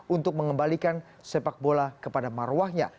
untuk mengembalikan sepak bola kepada marwahnya